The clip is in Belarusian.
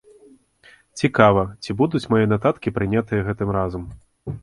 Цікава, ці будуць мае нататкі прынятыя гэтым разам?